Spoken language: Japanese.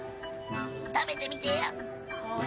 食べてみてよ。